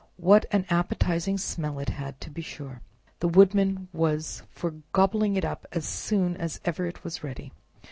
What an appetizing smell it had, to be sure! The Woodman was for gobbling it up as soon as ever it was ready.